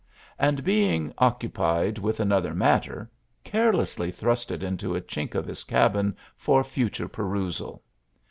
and being occupied with another matter, carelessly thrust it into a chink of his cabin for future perusal.